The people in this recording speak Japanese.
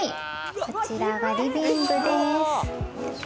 こちらがリビングです。